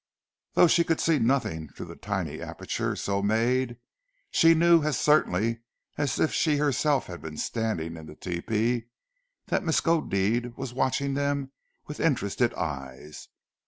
Though she could see nothing through the tiny aperture so made, she knew, as certainly as if she herself had been standing in the tepee, that Miskodeed was watching them with interested eyes.